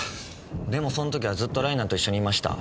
でもその時はずっとライナと一緒にいました。